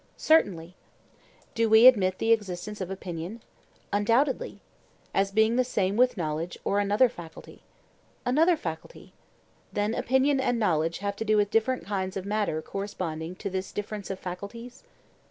Certainly. Do we admit the existence of opinion? Undoubtedly. As being the same with knowledge, or another faculty? Another faculty. Then opinion and knowledge have to do with different kinds of matter corresponding to this difference of faculties?